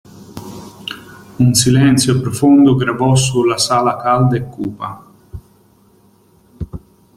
Un silenzio profondo gravò sulla sala calda e cupa.